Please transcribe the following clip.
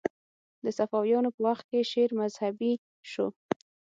د صفویانو په وخت کې شعر مذهبي شو